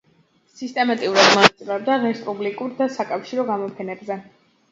სისტემატურად მონაწილეობდა რესპუბლიკურ და საკავშირო გამოფენებზე.